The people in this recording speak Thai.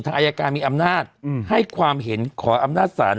อายการมีอำนาจให้ความเห็นขออำนาจศาล